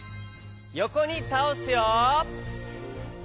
よこにたおすよ。